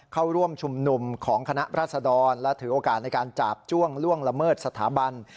เข้าร่วมชุมนุมของคณะราษดรและถือโอกาสในการจาบจ้วงล่วงละเมิดสถาบัน